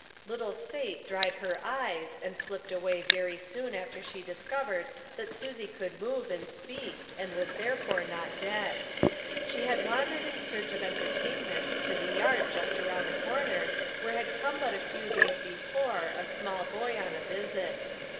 Little Sate dried her eyes and slipped away very soon after she discovered that Susie could move, and speak, and was therefore not dead. She had wandered in search of entertainment to the yard just around the corner, where had come but a few days before, a small boy on a visit.